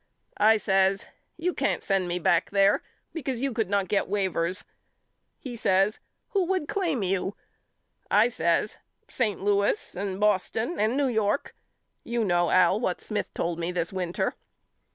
I says You can't send me back there because you could not get waivers. A BUSKER'S LETTERS HOME 21 He says Who would claim you*? I says St. Louis and Boston and New York. You know Al what Smith told me this winter.